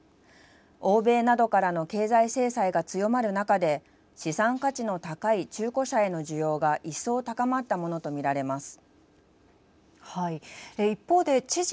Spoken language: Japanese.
欧米などからの経済制裁が強まる中で資産価値の高い中古車への需要が一層高まったものと見られます。